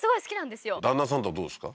旦那さんとどうですか？